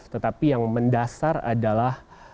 tetapi yang mendasar adalah